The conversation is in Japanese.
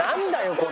これ。